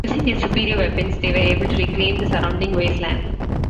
Using their superior weapons, they were able to reclaim the surrounding wasteland.